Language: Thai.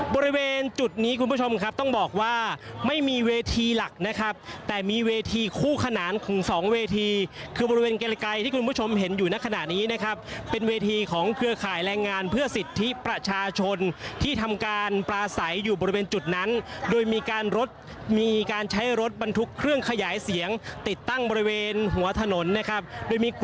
บริเวณจุดนี้คุณผู้ชมครับต้องบอกว่าไม่มีเวทีหลักนะครับแต่มีเวทีคู่ขนานของสองเวทีคือบริเวณไกลที่คุณผู้ชมเห็นอยู่ในขณะนี้นะครับเป็นเวทีของเครือข่ายแรงงานเพื่อสิทธิประชาชนที่ทำการปลาใสอยู่บริเวณจุดนั้นโดยมีการรถมีการใช้รถบรรทุกเครื่องขยายเสียงติดตั้งบริเวณหัวถนนนะครับโดยมีก